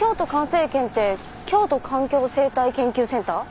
生研って京都環境生態研究センター？